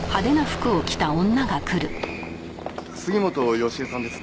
杉本好江さんですね？